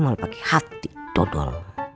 malah pake hati dodol